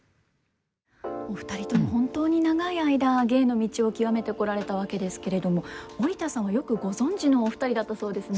お二人とも本当に長い間芸の道を極めてこられたわけですけれども織田さんはよくご存じのお二人だったそうですね？